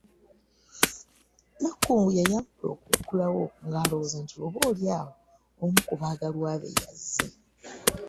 Nakangu yayanguwa okuggulawo ng’alowooza nti oba oli awo omu ku baagalwa be y’azze.